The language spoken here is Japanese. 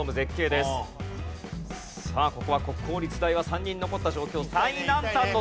さあここは国公立大は３人残った状況。